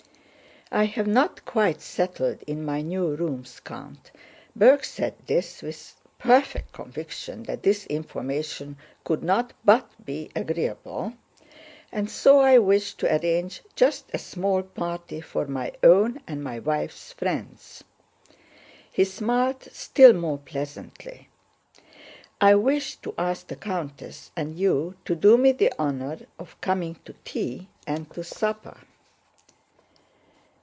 "I have now quite settled in my new rooms, Count" (Berg said this with perfect conviction that this information could not but be agreeable), "and so I wish to arrange just a small party for my own and my wife's friends." (He smiled still more pleasantly.) "I wished to ask the countess and you to do me the honor of coming to tea and to supper."